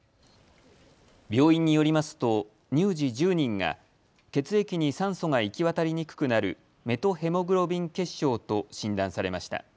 病院によりますと乳児１０人が血液に酸素が行き渡りにくくなるメトヘモグロビン血症と診断されました。